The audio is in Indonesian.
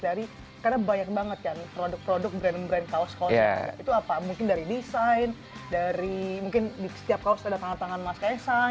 dari karena banyak banget kan produk produk brand brand kaos kaos itu apa mungkin dari desain dari mungkin di setiap kaos ada tangan tangan mas kaisang